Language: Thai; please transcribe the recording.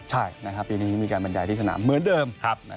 ใช่ปีนี้มีการบรรยายที่สนามเหมือนเดิม